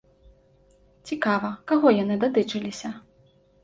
Цікава, каго яны датычыліся?